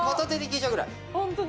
ホントだ。